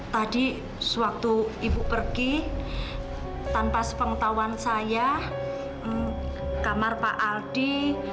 tadi sewaktu ibu pergi tanpa sepengetahuan saya kamar pak aldi